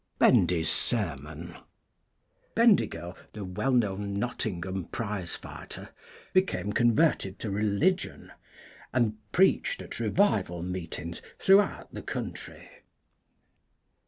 BENDY'S SERMON [Bendigo, the well known Nottingham prize fighter, became converted to religion, and preached at revival meetings throughout the country.